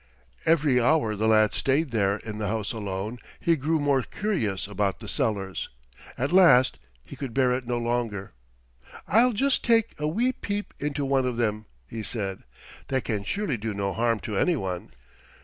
Every hour the lad stayed there in the house alone he grew more curious about the cellars. At last he could bear it no longer. "I'll just take a wee peep into one of them," he said. "That can surely do no harm to any one."